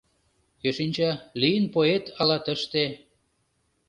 Кӧ шинча, лийын поэт ала тыште